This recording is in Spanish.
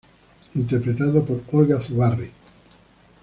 Interpretado por Olga Zubarry.